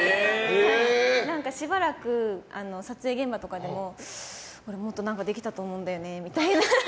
しばらく撮影現場とかでも俺、もっと何かできたと思うんだよねみたいな。